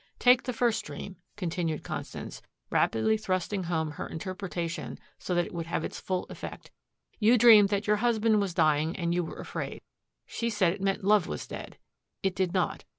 "Take that first dream," continued Constance, rapidly thrusting home her interpretation so that it would have its full effect. "You dreamed that your husband was dying and you were afraid. She said it meant love was dead. It did not.